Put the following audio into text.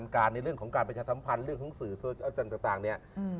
ในเรื่องของการเปลี่ยนสัมพันธ์เรื่องของศือศจรรย์ต่างนี้